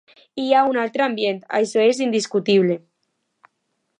Hi ha un altre ambient, això és indiscutible.